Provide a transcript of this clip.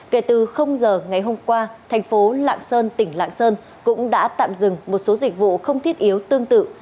kể từ giờ ngày hôm qua thành phố lạng sơn tỉnh lạng sơn cũng đã tạm dừng một số dịch vụ không thiết yếu tương tự